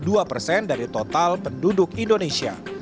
yang memiliki dua persen dari total penduduk indonesia